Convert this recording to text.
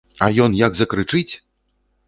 А ён як закрычыць!